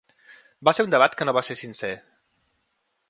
Va ser un debat que no va ser sincer.